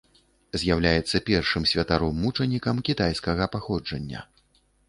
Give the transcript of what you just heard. З'яўляецца першым святаром-мучанікам кітайскага паходжання.